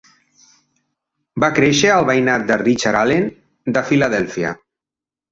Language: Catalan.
Va créixer al veïnat de Richard Allen de Filadèlfia.